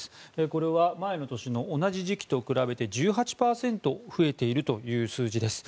これは前の年の同じ時期と比べて１８％増えているという数字です。